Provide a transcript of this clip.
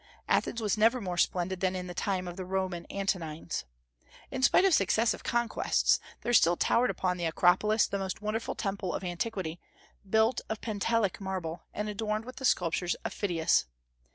Athens was never more splendid than in the time of the Roman Antonines. In spite of successive conquests, there still towered upon the Acropolis the most wonderful temple of antiquity, built of Pentelic marble, and adorned with the sculptures of Phidias.